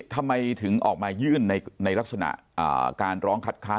ทำไมถึงออกมายื่นในลักษณะการร้องคัดค้าน